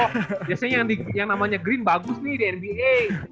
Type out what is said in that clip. biasanya yang namanya green bagus nih di nba